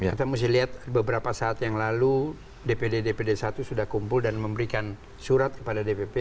kita mesti lihat beberapa saat yang lalu dpd dpd satu sudah kumpul dan memberikan surat kepada dpp